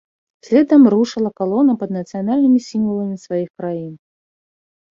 Следам рушыла калона пад нацыянальнымі сімваламі сваіх краін.